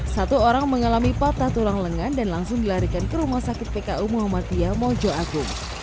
satu orang mengalami patah tulang lengan dan langsung dilarikan ke rumah sakit pku muhammadiyah mojo agung